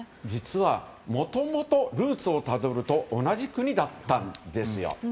実はもともとルーツをたどると同じ国だったんですよ。